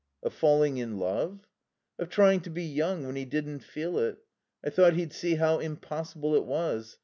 "Of falling in love?" "Of trying to be young when he didn't feel it. I thought he'd see how impossible it was.